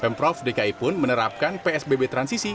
pemprov dki pun menerapkan psbb transisi